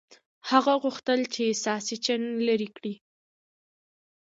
هغه غوښتل چې ساسچن لرې کړي.